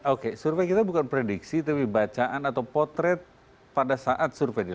oke survei kita bukan prediksi tapi bacaan atau potret pada saat survei dilakukan